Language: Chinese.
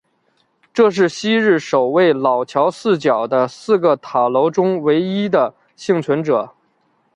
这是昔日守卫老桥四角的四个塔楼中唯一的幸存者。